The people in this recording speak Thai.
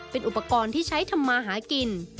เป็นอุปกรณ์ที่ใช้ทำมาหากิน